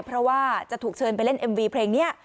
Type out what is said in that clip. เพราะว่าจะถูกเชิญไปเล่นเอ็มวีเพลงนี้